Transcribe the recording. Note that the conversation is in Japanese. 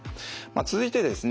続いてですね